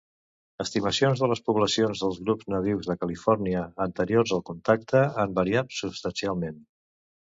Estimacions de les poblacions dels grups nadius de Califòrnia anteriors al contacte han variat substancialment.